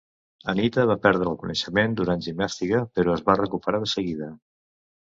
Anita va perdre el coneixement durant gimnàstica, però es va recuperar de seguida.